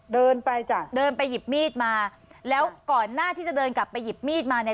เดินไปจ้ะเดินไปหยิบมีดมาแล้วก่อนหน้าที่จะเดินกลับไปหยิบมีดมาเนี่ย